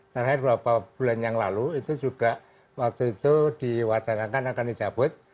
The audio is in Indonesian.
terakhir beberapa bulan yang lalu itu juga waktu itu diwacanakan akan dicabut